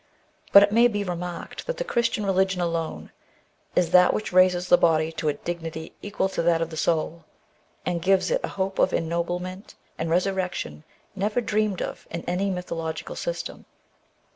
But it may be remarked that the Christian religion alone is that which raises the body to a dignity equal to that of the soul, and gives it a hope of ennoblement and resurrection never dreamed of in any mythological system.